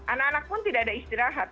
anak anak pun tidak ada istirahat